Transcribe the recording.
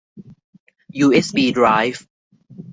ยูเอสบีไดรฟ์